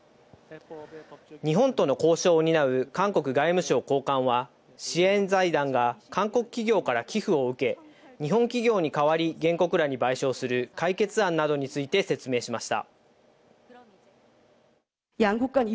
日本との交渉を担う韓国外務省高官は、支援財団が韓国企業から寄付を受け、日本企業に代わり、原告らに賠償する解決案などについて説明しました。